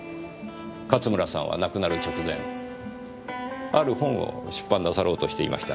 勝村さんは亡くなる直前ある本を出版なさろうとしていました。